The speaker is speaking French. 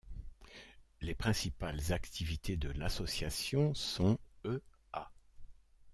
Les principales activités de l’association sont, e.a.